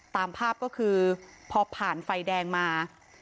ตามภาพก็คือพอผ่านไฟแดงมา